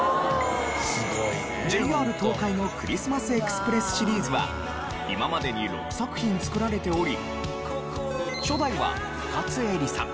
ＪＲ東海の「クリスマス・エクスプレス」シリーズは今までに６作品作られており初代は深津絵里さん。